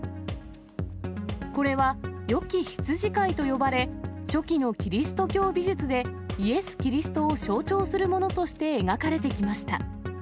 これはよき羊飼いと呼ばれ、初期のキリスト教美術で、イエス・キリストを象徴するものとして描かれてきました。